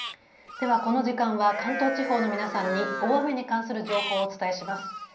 では、この時間は関東地方の皆さんに大雨に関する情報をお伝えします。